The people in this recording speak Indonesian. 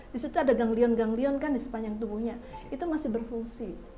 di situ ada ganglion ganglion kan di sepanjang tubuhnya itu masih berfungsi